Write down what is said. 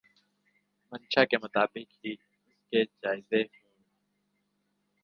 منشاء کے مطابق ہی اس کے جائزے ہوں۔